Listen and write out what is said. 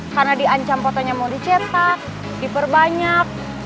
karena diancam fotonya mau dicetak diperbanyak